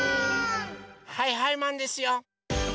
はいはいマンですよ！